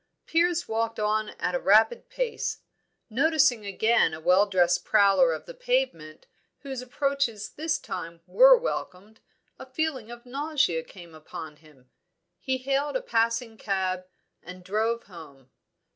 Piers walked on at a rapid pace. Noticing again a well dressed prowler of the pavement, whose approaches this time were welcomed, a feeling of nausea came upon him. He hailed a passing cab, and drove home.